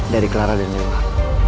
dari clara dan noah